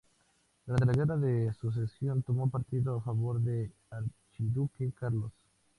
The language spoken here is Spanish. Durante la Guerra de Sucesión tomó partido a favor del archiduque Carlos.